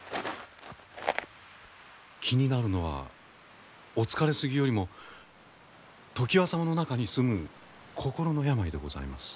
気になるのはお疲れすぎよりも常磐様の中にすむ心の病でございます。